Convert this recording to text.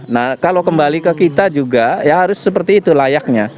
nah kalau kembali ke kita juga ya harus seperti itu layaknya